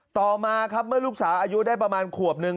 ต่อมาครับเมื่อลูกสาวอายุได้ประมาณขวบนึง